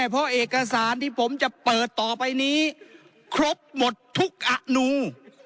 เพราะเอกสารที่ผมจะเปิดต่อไปนี้ครบหมดทุกอนุ